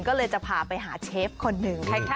ก็เลยจะพาไปหาเชฟคนหนึ่ง